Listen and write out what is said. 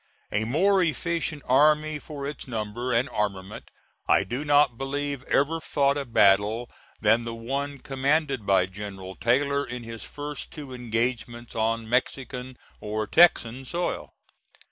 A more efficient army for its number and armament, I do not believe ever fought a battle than the one commanded by General Taylor in his first two engagements on Mexican or Texan soil.